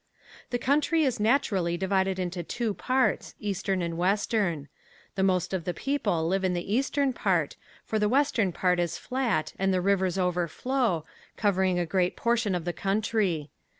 The country is naturally divided into two parts, eastern and western. The most of the people live in the eastern part for the western part is flat and the rivers overflow, covering a great portion of the country.